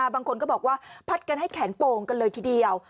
บางคนก็บอกว่าพัดกันให้แขนโป่งกันเลยทีเดียว